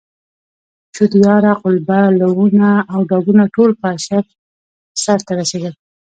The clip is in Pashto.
شودیاره، قلبه، لوونه او ډاګونه ټول په اشر سرته رسېدل.